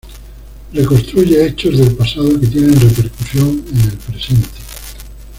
Reconstruye hechos del pasado que tienen repercusión en el presente.